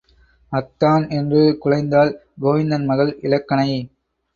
அத்தான் என்று குழைந்தாள் கோவிந்தன் மகள் இலக்கணை.